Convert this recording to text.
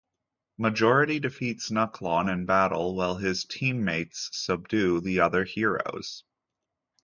Majority defeats Nuklon in battle while his teammates subdue the other heroes.